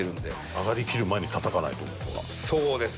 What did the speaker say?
上がりきる前に叩かないと。